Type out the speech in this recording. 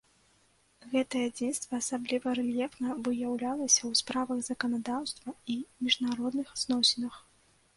Гэтае адзінства асабліва рэльефна выяўлялася ў справах заканадаўства і ў міжнародных зносінах.